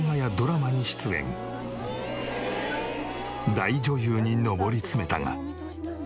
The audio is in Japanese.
大女優に上り詰めたが。